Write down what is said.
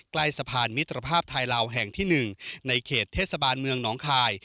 ใกล้สะพานมิตรภาพไทยลาวแห่งที่๑ในเขตเทศบาลเมืองหนองคาย